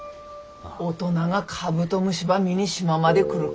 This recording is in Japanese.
大人がカブトムシば見に島まで来るか？